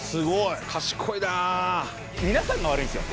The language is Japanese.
皆さんが悪いんですよ。